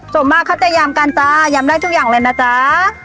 ส่วนมากเขาจะยำกันจ้ายำได้ทุกอย่างเลยนะจ๊ะ